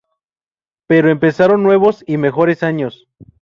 Pero empezaron nuevos y mejores años.